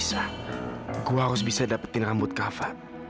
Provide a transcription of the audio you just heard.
saya harus mendapatkan rambut kava